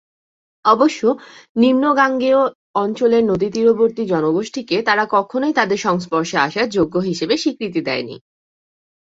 অবশ্য নিম্নগাঙ্গেয় অঞ্চলের নদীতীরবর্তী জনগোষ্ঠীকে তারা কখনোই তাদের সংস্পর্শে আসার যোগ্য হিসেবে স্বীকৃতি দেয়নি।